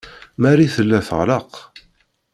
Marie tella teɣleq.